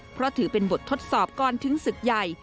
เพราะถือเป็นบททดสอบก่อนถึงศึกใหญ่